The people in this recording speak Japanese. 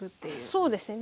そうですね。